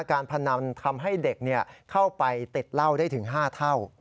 การพนันทำให้เด็กเข้าไปติดเหล้าได้ถึง๕เท่า